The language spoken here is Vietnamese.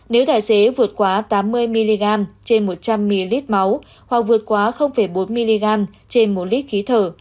nếu tài xế vượt quá tám mươi mg trên một trăm linh ml máu hoặc vượt quá bốn mg trên một lít khí thở